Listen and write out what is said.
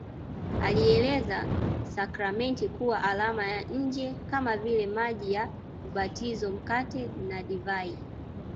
Alieleza sakramenti kuwa alama ya nje kama vile maji ya ubatizopia mkate nadivai